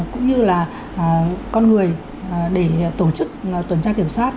cũng như là con người để tổ chức tuần tra kiểm soát